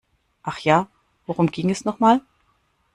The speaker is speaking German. Ach ja, worum ging es noch mal?